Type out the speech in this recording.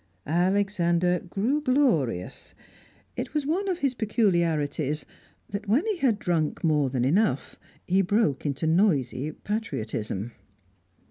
Alexander grew glorious. It was one of his peculiarities that, when he had drunk more than enough, he broke into noisy patriotism.